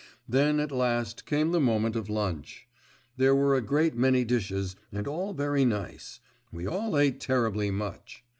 Then at last came the moment of lunch. There were a great many dishes and all very nice; we all ate terribly much.